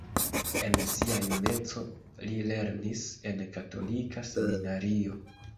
En sia juneco, li lernis en katolika seminario.